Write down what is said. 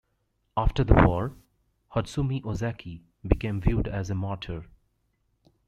After the war, Hotsumi Ozaki became viewed as a martyr.